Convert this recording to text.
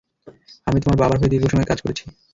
আমি তোমার বাবার হয়ে দীর্ঘ সময় কাজ করেছি।